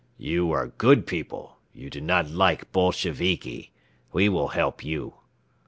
"You are good people. You do not like Bolsheviki. We will help you."